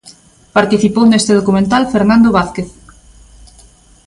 Participou neste documental Fernando Vázquez.